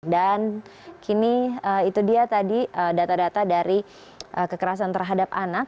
dan kini itu dia tadi data data dari kekerasan terhadap anak